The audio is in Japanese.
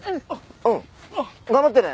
うん。頑張ってね。